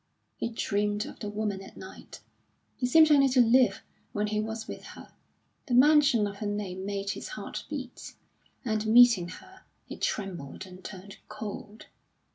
He dreamed of the woman at night; he seemed only to live when he was with her. The mention of her name made his heart beat, and meeting her he trembled and turned cold.